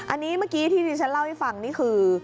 อันนี้เมื่อกี้ที่ดิฉันเล่าให้ฟังนี่คือ